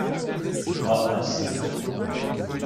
Pas assez tôt.